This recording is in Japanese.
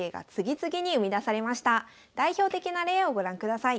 代表的な例をご覧ください。